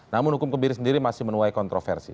namun hukum kebiri sendiri masih menuai kontroversi